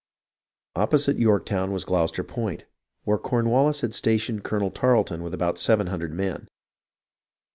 Opposite Yorktovvn was Gloucester Point, where Corn wallis had stationed Colonel Tarleton with about seven hundred men.